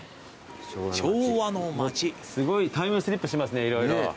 すごいタイムスリップしますね色々。